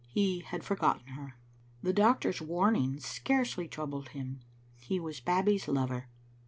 He had forgotten her. The doctor's warnings scarcely troubled him. He was Babbie's lover.